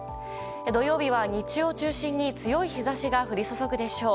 土曜日は、日中を中心に強い日差しが降り注ぐでしょう。